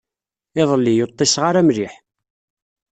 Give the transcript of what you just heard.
Iḍelli, ur ḍḍiseɣ ara mliḥ.